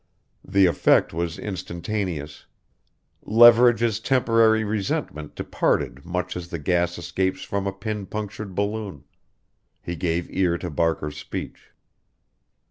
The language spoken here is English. The effect was instantaneous. Leverage's temporary resentment departed much as the gas escapes from a pin punctured balloon. He gave ear to Barker's speech.